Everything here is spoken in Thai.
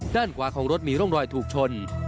ด้านขวาของรถมีร่องรอยถูกชน